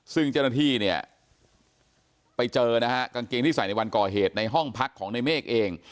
ซึ่งเจ้าหน้าที่เนี่ยไปเจอนะฮะกางเกงที่ใส่ในวันก่อเหตุในห้องพักของในเมฆเอง